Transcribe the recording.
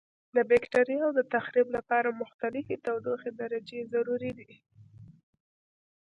د بکټریاوو د تخریب لپاره مختلفې تودوخې درجې ضروري دي.